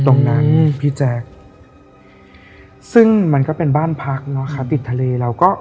ตรงนั้นพี่แจ๊คซึ่งมันก็เป็นบ้านพักเนาะติดทะเลเราก็